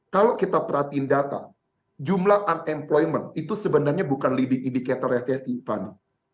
kalau kita perhatiin data jumlah unemployment itu sebenarnya bukan leading indicator resesi fanny